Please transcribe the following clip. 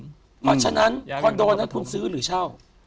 เพราะฉะนั้นคอนโดนัทุนซื้อหรือเช่า